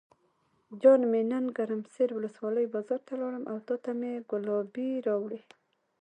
جان مې نن ګرم سر ولسوالۍ بازار ته لاړم او تاته مې ګلابي راوړې.